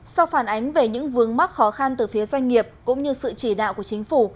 sau phản ánh về những vướng mắc khó khăn từ phía doanh nghiệp cũng như sự chỉ đạo của chính phủ